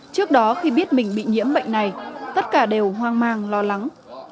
trước đó khi biết mình bị nhiễm bệnh này tất cả đều hoang mang lo lắng